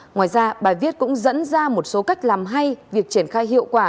ngoài ra bài viết cũng dẫn ra một số cách làm hay việc triển khai hiệu quả